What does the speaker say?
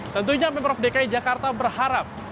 tentunya member of dki jakarta berharap